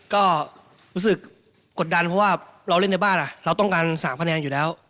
ก็รู้สึกกดดันเพราะว่าเราเล่นในบ้านเราต้องการ๓คะแนนอยู่แล้ว